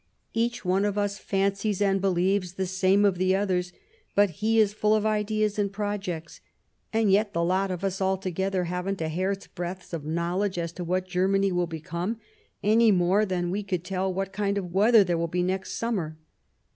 ... 37 Bismarck Each one of us fancies and believes the same of the others, that he is full of ideas and projects, ,.. and yet the lot of us all together haven't a hair's breadth of knowledge as to what Germany will become, any more than we could tell what kind of weather there will be next summer.